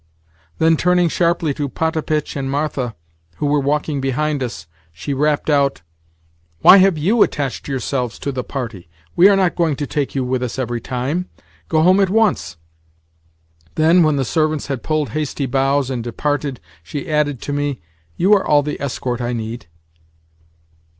Then, turning sharply to Potapitch and Martha, who were walking behind us, she rapped out: "Why have you attached yourselves to the party? We are not going to take you with us every time. Go home at once." Then, when the servants had pulled hasty bows and departed, she added to me: "You are all the escort I need."